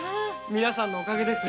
皆さんのおかげです。